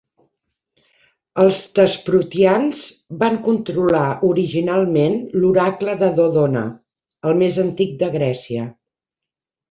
Els Thesprotians van controlar originalment l'oracle de Dodona, el més antic de Grècia.